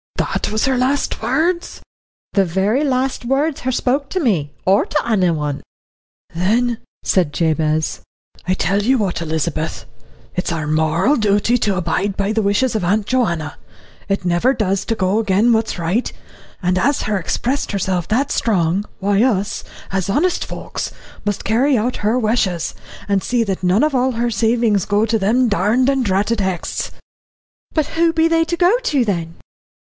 '" "That was her last words?" "The very last words her spoke to me or to anyone." "Then," said Jabez, "I'll tell ye what, Elizabeth, it's our moral dooty to abide by the wishes of Aunt Joanna. It never does to go agin what is right. And as her expressed herself that strong, why us, as honest folks, must carry out her wishes, and see that none of all her savings go to them darned and dratted Hexts." "But who be they to go to, then?"